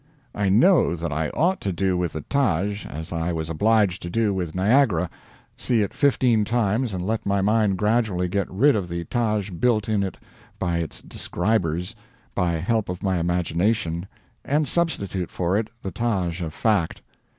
I know that I ought to do with the Taj as I was obliged to do with Niagara see it fifteen times, and let my mind gradually get rid of the Taj built in it by its describers, by help of my imagination, and substitute for it the Taj of fact.